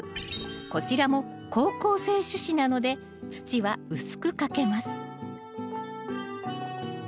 こちらも好光性種子なので土は薄くかけます